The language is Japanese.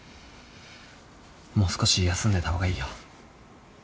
もう少し休んでた方がいいよ。